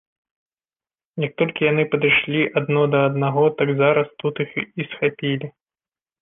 Як толькі яны падышлі адно да аднаго, так зараз тут іх і схапілі.